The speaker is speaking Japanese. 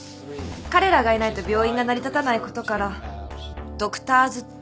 彼らがいないと病院が成り立たないことからドクターズ。